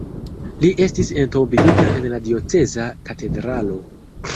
Li estis entombigita en la dioceza katedralo.